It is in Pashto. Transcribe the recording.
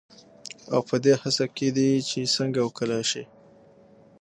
او پـه دې هـڅـه کې دي چـې څـنـګه وکـولـى شـي.